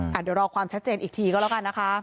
เดี๋ยวรอความชัดเจนอีกทีก็แล้วกันนะคะ